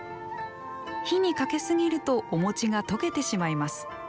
火にかけすぎるとお餅が溶けてしまいます。